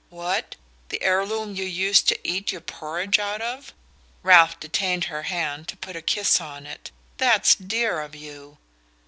"What the heirloom you used to eat your porridge out of?" Ralph detained her hand to put a kiss on it. "That's dear of you!"